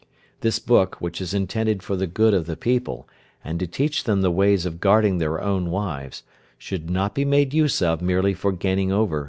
This book, which is intended for the good of the people, and to teach them the ways of guarding their own wives, should not be made use of merely for gaining over the wives of others."